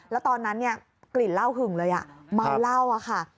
แล้วตอนนั้นเนี่ยกลิ่นเล่าหึ่งเลยมะเว่เล่าค่ะ